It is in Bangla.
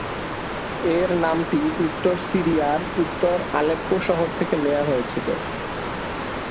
এর নামটি উত্তর সিরিয়ার উত্তর আলেপ্পো শহর থেকে নেওয়া হয়েছিল।